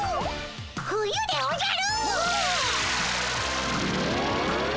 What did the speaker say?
冬でおじゃる！